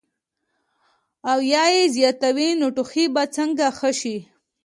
او يا ئې زياتوي نو ټوخی به څنګ ښۀ شي -